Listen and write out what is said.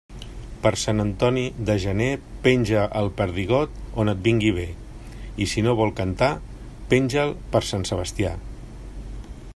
Per Sant Antoni de gener penja el perdigot on et vingui bé, i si no vol cantar, penja'l per Sant Sebastià.